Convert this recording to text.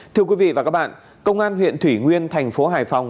thưa quý vị và các bạn công an huyện thủy nguyên thành phố hải phòng